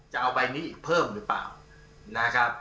จะเอาใบนี้เพิ่มหรือเปล่านะครับ